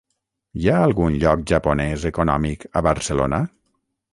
Hi ha algun lloc japonès econòmic a Barcelona?